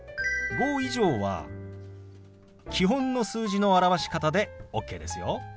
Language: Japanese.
５以上は基本の数字の表し方でＯＫですよ。